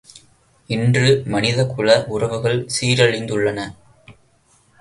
இன்று மனிதகுல உறவுகள் சீரழிந்துள்ளன.